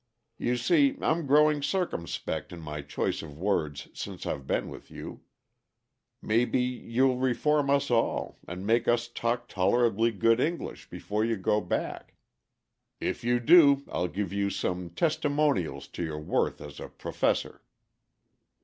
You see I'm growing circumspect in my choice of words since I've been with you. May be you'll reform us all, and make us talk tolerably good English before you go back. If you do, I'll give you some 'testimonials' to your worth as a professor."